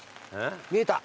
見えた！